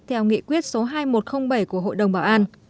theo nghị quyết số hai nghìn một trăm linh bảy của hội đồng bảo an